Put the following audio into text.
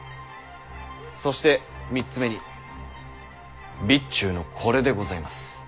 そして３つ目に備中のこれでございます。